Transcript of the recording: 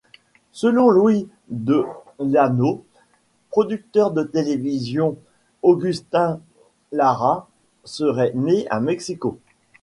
Selon Luis de Llano, producteur de télévision, Agustín Lara serait né à Mexico.